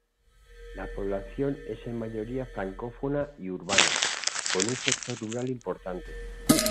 La población es en mayoría francófona y urbana, con un sector rural importante.